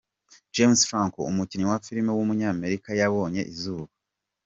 James Franco, umukinnyi wa filime w’umunyamerika yabonye izuba.